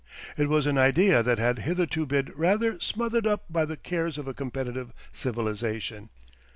It was an idea that had hitherto been rather smothered up by the cares of a competitive civilisation.